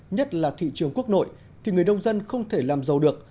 nhất là thị trường quốc nội thì người nông dân không thể làm giàu được